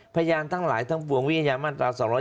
ทั้งหลายทั้งปวงวิทยามาตรา๒๗